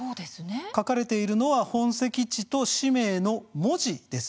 書かれているのは本籍地と氏名の文字です。